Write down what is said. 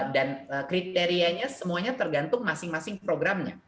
dan kriterianya semuanya tergantung masing masing programnya